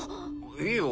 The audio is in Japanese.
いいよ。